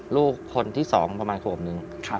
ลูกคนที่๒ประมาณขวบนึง